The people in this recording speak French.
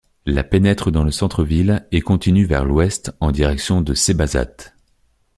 La pénètre dans le centre-ville et continue vers l'ouest en direction de Cébazat.